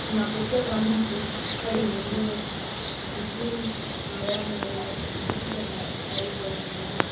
na kutoka mtu hadi mwingine Kipimo awamu nishatidawa ya aina fulani